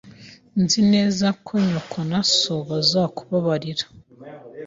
Nzi neza ko nyoko na so bazakubabarira.